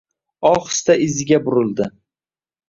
Ohista iziga burildi.